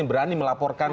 yang berani melaporkan